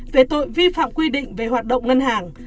về tội vi phạm quy định về hoạt động ngân hàng